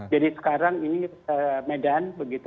jadi sekarang ini medan begitu